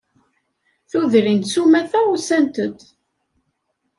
Tudrin s umata usant-d.